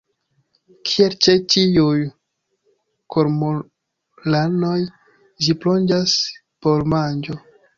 Kiel ĉe ĉiuj kormoranoj ĝi plonĝas por manĝo.